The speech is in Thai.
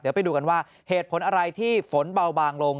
เดี๋ยวไปดูกันว่าเหตุผลอะไรที่ฝนเบาบางลง